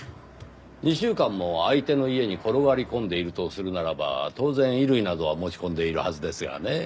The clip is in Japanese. ２週間も相手の家に転がり込んでいるとするならば当然衣類などは持ち込んでいるはずですがねぇ。